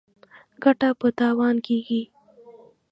ګټه په تاوان کېږي.